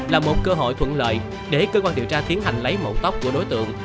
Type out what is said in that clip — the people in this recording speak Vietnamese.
là một cơ hội thuận lợi để cơ quan điều tra tiến hành lấy mẫu tóc của đối tượng